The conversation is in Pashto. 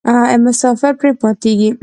مسافر پرې ماتیږي.